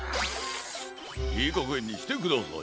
いいかげんにしてください！